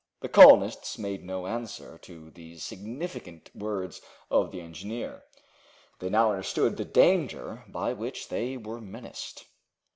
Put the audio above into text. The colonists made no answer to these significant words of the engineer. They now understood the danger by which they were menaced.